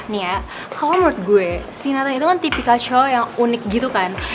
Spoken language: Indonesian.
nih ya kalo menurut gue si nathan itu kan tipikal cowok yang unik gitu kan